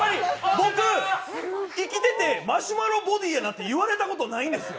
僕、生きててマシュマロボディーやなんて言われたことないんですよ。